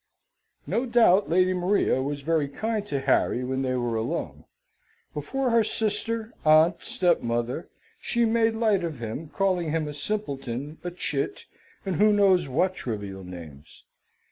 No doubt Lady Maria was very kind to Harry when they were alone. Before her sister, aunt, stepmother, she made light of him, calling him a simpleton, a chit, and who knows what trivial names?